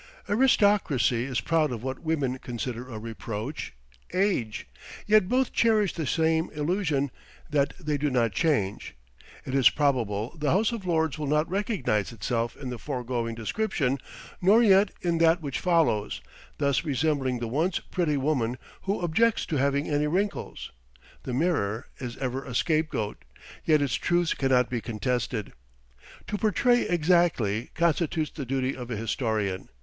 Aristocracy is proud of what women consider a reproach age! Yet both cherish the same illusion, that they do not change. It is probable the House of Lords will not recognize itself in the foregoing description, nor yet in that which follows, thus resembling the once pretty woman, who objects to having any wrinkles. The mirror is ever a scapegoat, yet its truths cannot be contested. To portray exactly, constitutes the duty of a historian.